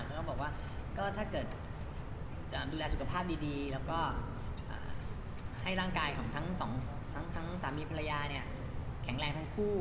แล้วก็บอกว่าก็ถ้าเกิดดูแลสุขภาพดีแล้วก็ให้ร่างกายของทั้งสองทั้งสามีภรรยาเนี่ยแข็งแรงทั้งคู่